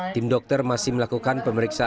tim dokter masih melakukan pemeriksaan